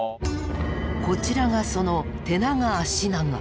こちらがその「手長足長」。